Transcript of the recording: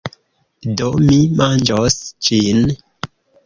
Do. Mi manĝos ĝin.